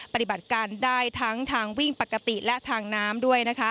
ปฏิบัติการได้ทั้งทางวิ่งปกติและทางน้ำด้วยนะคะ